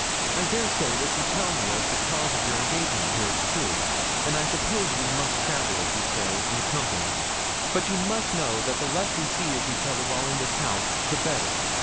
I dare say what you tell me of the cause of your engagement here is true, and I suppose we must travel, as you say, in company; but you must know that the less we see of each other while in this house the better.'